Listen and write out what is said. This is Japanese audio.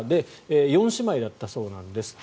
４姉妹だったそうなんです。